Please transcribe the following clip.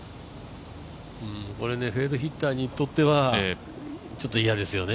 これ、フェードヒッターにとってはちょっと嫌ですよね。